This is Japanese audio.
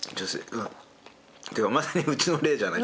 まさにうちの例じゃない？